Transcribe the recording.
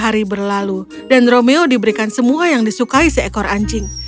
hari berlalu dan romeo diberikan semua yang disukai seekor anjing